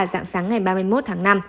dạng sáng ngày ba mươi một tháng năm